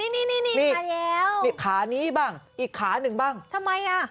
นี่มาแล้วนี่ขานี้บ้างอีกขานึงบ้างทำไม